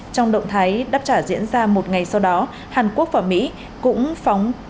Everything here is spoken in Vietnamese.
trong động thái đáp trả diễn ra một ngày sau đó hàn quốc và mỹ cũng phóng